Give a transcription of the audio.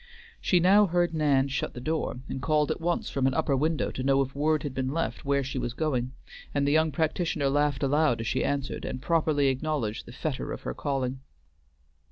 She now heard Nan shut the door, and called at once from an upper window to know if word had been left where she was going, and the young practitioner laughed aloud as she answered, and properly acknowledged the fetter of her calling.